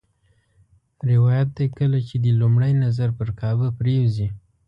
روایت دی کله چې دې لومړی نظر پر کعبه پرېوځي.